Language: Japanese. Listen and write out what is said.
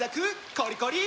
コリコリ！